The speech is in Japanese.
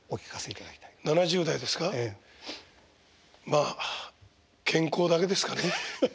まあ健康だけですかね。